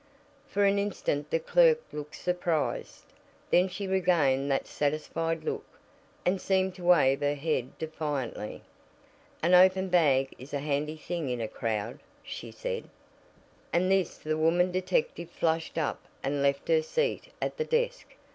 For an instant the clerk looked surprised. Then she regained that satisfied look, and seemed to wave her head defiantly. "An open bag is a handy thing in a crowd," she said. At this the woman detective flushed up and left her seat at the desk.